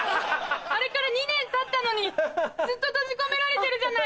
あれから２年たったのにずっと閉じ込められてるじゃない！